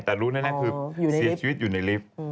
แต่รู้แน่คือเสียชีวิตอยู่ในลิฟต์